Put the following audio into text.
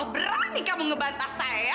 oh berani kamu ngebantas saya ya